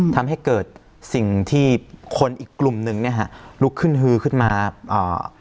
ทำให้เกิดสิ่งที่คนอีกกลุ่มหนึ่งเนี้ยฮะลุกขึ้นฮือขึ้นมาอ่า